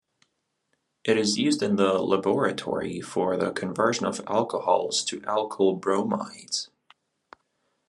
It is used in the laboratory for the conversion of alcohols to alkyl bromides.